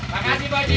makasih pak haji